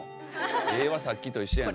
絵はさっきと一緒やな。